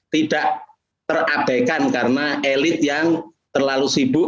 tidak terabaikan karena elit yang terlalu sibuk